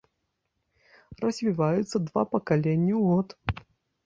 Развіваюцца два пакалення ў год.